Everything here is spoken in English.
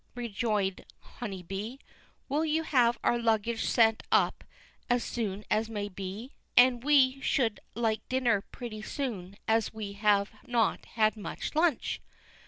rejoined Honeybee. "Will you have our luggage sent up as soon as may be? And we should like dinner pretty soon, as we have not had much lunch."